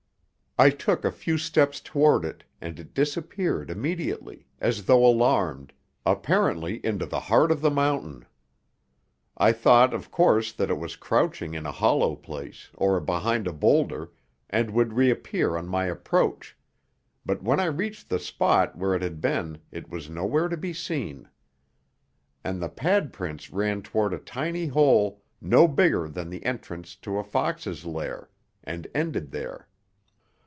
I took a few steps toward it, and it disappeared immediately, as though alarmed apparently into the heart of the mountain. I thought, of course, that it was crouching in a hollow place, or behind a boulder, and would reappear on my approach, but when I reached the spot where it had been it was nowhere to be seen. And the pad prints ran toward a tiny hole no bigger than the entrance to a fox's lair and ended there.